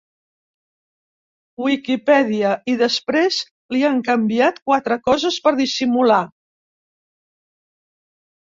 Wikipedia i després li han canviat quatre coses per dissimular.